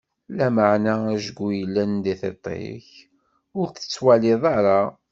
Lameɛna ajgu yellan di tiṭ-ik, ur t-tettwaliḍ ara!